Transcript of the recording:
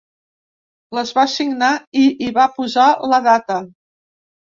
Les va signar i hi va posar la data.